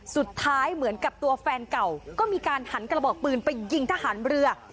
เหมือนกับตัวแฟนเก่าก็มีการหันกระบอกปืนไปยิงทหารเรือ